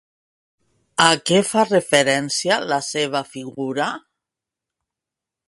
A què fa referència la seva figura?